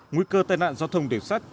nguy cơ tai nạn giao thông đường sắt